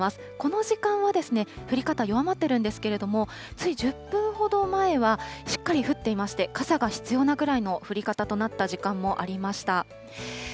この時間はですね、降り方弱まってるんですけれども、つい１０分ほど前は、しっかり降っていまして、傘が必要なぐらいの降り方となった時間もありました。